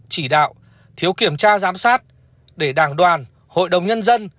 chỉ đạo thiếu kiểm tra giám sát để đảng đoàn hội đồng nhân dân